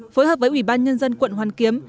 phối hợp với ủy ban nhân dân quận hoàn kiếm